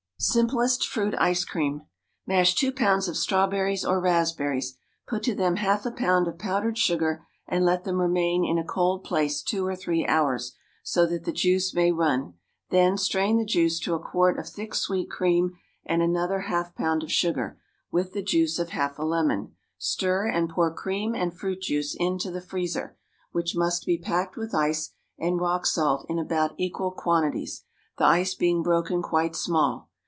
Simplest Fruit Ice Cream. Mash two pounds of strawberries or raspberries, put to them half a pound of powdered sugar, and let them remain in a cold place two or three hours, so that the juice may run; then, strain the juice to a quart of thick sweet cream and another half pound of sugar, with the juice of half a lemon; stir, and pour cream and fruit juice into the freezer, which must be packed with ice and rock salt in about equal quantities, the ice being broken quite small.